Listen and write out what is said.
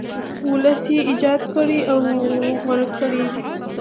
ولس یې ایجاد کړی او غوره کړی دی.